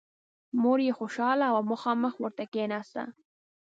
مور یې خوشحاله وه او مخامخ ورته کېناسته